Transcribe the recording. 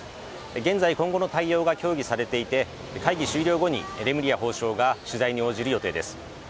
現在、今後の対応が協議されていて会議終了後にレムリヤ法相が取材に応じる予定です。